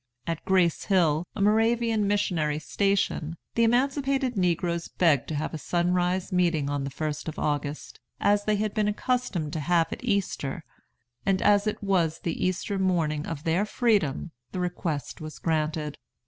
"At Grace Hill, a Moravian missionary station, the emancipated negroes begged to have a sunrise meeting on the 1st of August, as they had been accustomed to have at Easter; and as it was the Easter morning of their freedom, the request was granted.